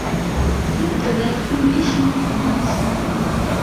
— Теп-теәүл ун биш мең һум аҡса